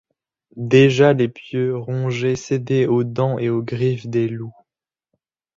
Déjà les pieux rongés cédaient aux dents et aux griffes des loups.